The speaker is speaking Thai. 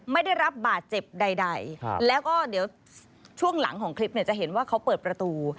ไม่ได้รับบาดเจ็บใดแล้วก็เดี๋ยวช่วงหลังของคลิปเนี่ยจะเห็นว่าเขาเปิดประตู